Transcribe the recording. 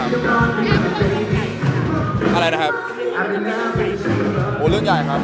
แต่ว่าถ้าเกิดว่าเข้าใจผิดจริงหรอ